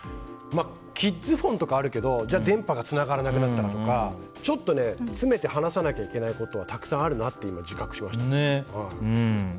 キッズホンとかあるけど電波がつながらなくなったりとかちょっと詰めて話さなきゃいけないことがたくさんあるなと自覚しました。